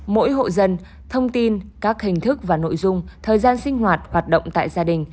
mỗi hộ dân thông tin các hình thức và nội dung thời gian sinh hoạt hoạt động tại gia đình